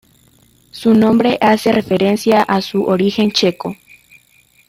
Su nombre hace referencia a su origen checo.